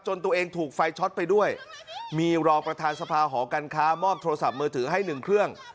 ตัวเองถูกไฟช็อตไปด้วยมีรองประธานสภาหอการค้ามอบโทรศัพท์มือถือให้หนึ่งเครื่อง